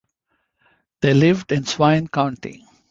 They lived in Swain County.